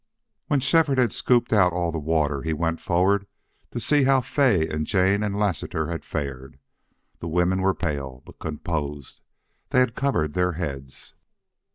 When Shefford had scooped out all the water he went forward to see how Fay and Jane and Lassiter had fared. The women were pale, but composed. They had covered their heads.